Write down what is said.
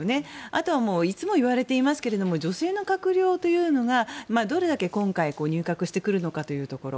あとはいつも言われていますが女性の閣僚というのがどれだけ今回入閣してくるのかというところ。